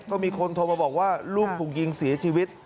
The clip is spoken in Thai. ก็มีคนโทรมาบอกว่าลูกถูกยิงเสียชีวิต